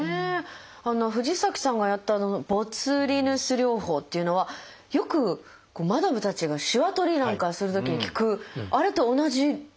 藤崎さんがやったボツリヌス療法っていうのはよくマダムたちがしわ取りなんかするときに聞くあれと同じですか？